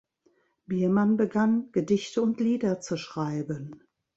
Biermann begann, Gedichte und Lieder zu schreiben.